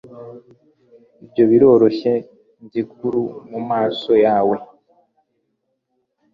Ibyo biroroshye nkizuru mumaso yawe